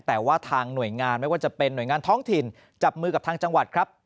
แต่ว่าทางหน่วยงานไม่ว่าจะเป็นหน่วยงานท้องถิ่นจับมือกับทางจังหวัดครับ